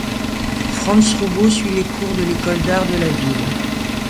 Franz Roubaud suit les cours de l'école d'art de la ville.